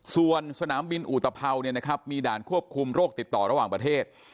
ส่วนสนามบินอุตภัวมีด่านควบคุมโรคติดต่อระหว่างประเทศ